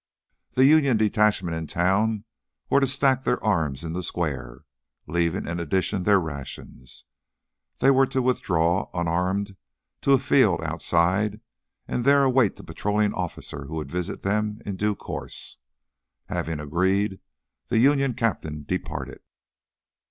The Union detachment in town were to stack their arms in the square, leaving in addition their rations. They were to withdraw, unarmed, to a field outside and there await the patroling officer who would visit them in due course. Having agreed, the Union captain departed.